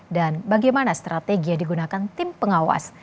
dan bagaimana strategi yang digunakan tim pengawas